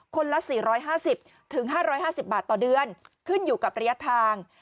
คนละสี่ร้อยห้าสิบถึงห้าร้อยห้าสิบบาทต่อเดือนขึ้นอยู่กับระยะทาง